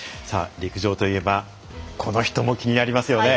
陸上といえばこの人も気になりますよね。